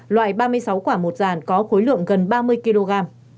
loại ba mươi sáu quả một dàn có khối lượng gần ba mươi kg